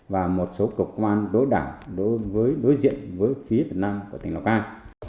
và một số cục công an đối đảng đối diện với phía việt nam của tỉnh lào cai